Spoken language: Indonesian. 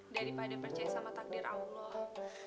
daripada percaya sama takdir allah